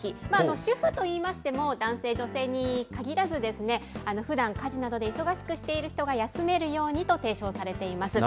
主婦といいましても、男性、女性にかぎらず、ふだん、家事などで忙しくしている人が休めるようにと提唱されています。